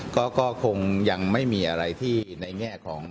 ก็คงยังไม่มีอะไรที่ในแง่ของ